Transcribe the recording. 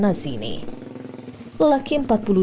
lelaki lelaki dia akan menemukan seorang perempuan yang berpengaruh